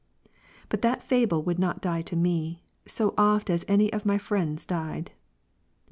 But that fable would not die to me, so oft as any of my friends died.